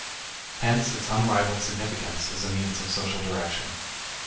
Hence its unrivaled significance as a means of social direction.